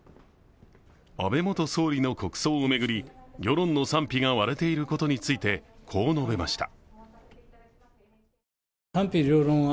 安倍元総理の国葬を巡り、世論の賛否が割れていることについて、こう述べました。